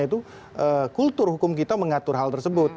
itu kultur hukum kita mengatur hal tersebut